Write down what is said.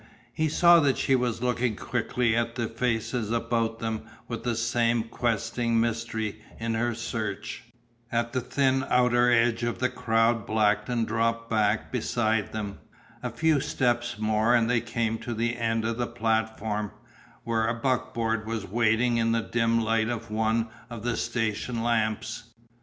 He saw that she was looking quickly at the faces about them with that same questing mystery in her search. At the thin outer edge of the crowd Blackton dropped back beside them. A few steps more and they came to the end of the platform, where a buckboard was waiting in the dim light of one of the station lamps.